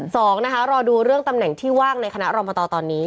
สองนะคะรอดูเรื่องตำแหน่งที่ว่างในคณะรอมตตอนนี้